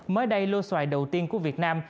mới đây lô xoài đầu tiên của việt nam